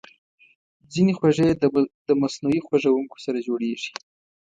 ځینې خوږې د مصنوعي خوږونکو سره جوړېږي.